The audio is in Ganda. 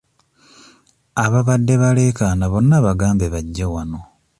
Ababadde baleekaana bonna bagambe bajje wano.